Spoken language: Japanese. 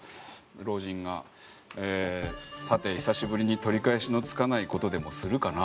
老人が「さて久しぶりにとりかえしのつかないことでもするかな」